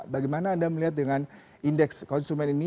bagaimana anda melihat dengan indeks konsumen ini